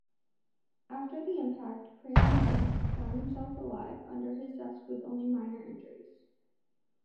After the impact, Praimnath found himself alive under his desk with only minor injuries.